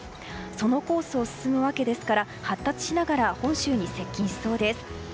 そのコースを進むわけですから発達しながら本州に接近しそうです。